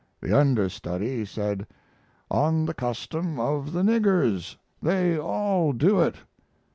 The understudy said: "On the custom of the niggers. They all do it."